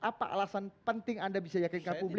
apa alasan penting anda bisa yakin ke publik